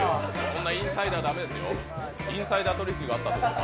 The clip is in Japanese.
そんなインサイダー駄目ですよ、インサイダー取り引きがあったんですか。